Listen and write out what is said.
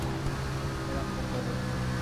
Quedan pocos restos.